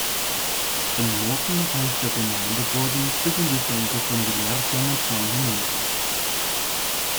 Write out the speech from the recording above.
Im Norden reicht der Gemeindeboden bis in die Senke von Villers-Saint-Martin hinunter.